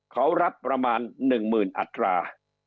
เขารับประมาณหนึ่งหมื่นอัตรา